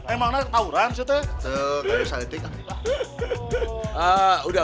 emangnya tau rancu teh